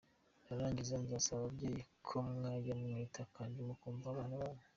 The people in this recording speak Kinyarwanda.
Narangiza nsaba ababyeyi ko mwanjya mwita kandi mukumva abana banyu.